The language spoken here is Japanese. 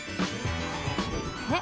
えっ？